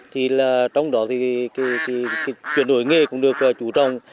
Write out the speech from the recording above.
thì trong đó thì chuyển đổi nghề cũng được chú trọng